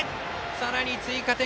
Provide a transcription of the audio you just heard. さらに追加点。